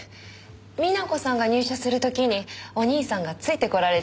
美奈子さんが入社する時にお兄さんがついて来られて。